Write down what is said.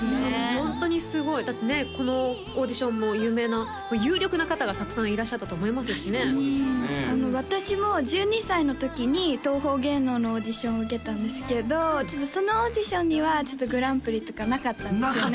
ホントにすごいだってねこのオーディションも有名な有力な方がたくさんいらっしゃったと思いますしね私も１２歳のときに東宝芸能のオーディションを受けたんですけどちょっとそのオーディションにはグランプリとかなかったんですよね